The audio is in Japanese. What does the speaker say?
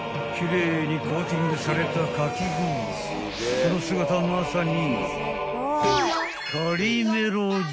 ［その姿はまさに］